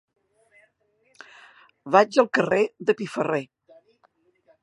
Vaig al carrer de Piferrer.